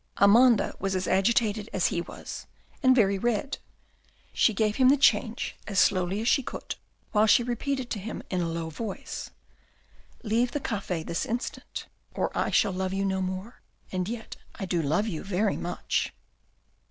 Amanda was as agitated as he was, and very red. She gave him the change as slowly as she could, while she repeated to him, in a low voice, " Leave the cafe this instant, or I shall love you no more, and yet I do love you very much."